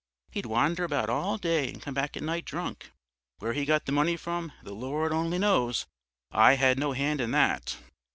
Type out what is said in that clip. He'd wander about all day and come back at night drunk. Where he got the money from, the Lord only knows; I had no hand in that.